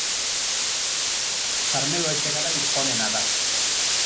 karmelo etxegarai onena da